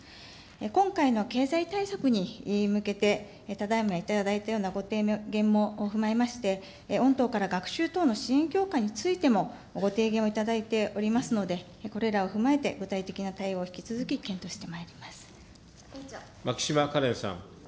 今回の経済対策に向けて、ただいま頂いたようなご提言も踏まえまして、御党から学習等の支援強化についてもご提言をいただいておりますので、これらを踏まえて具体的な対応を引き続き、検討してまいり牧島かれんさん。